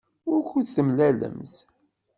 Wukud d-temlalemt?